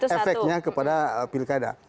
efeknya kepada pilkada